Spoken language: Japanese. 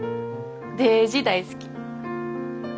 デージ大好き。